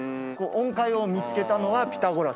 音階を見つけたのはピタゴラスで。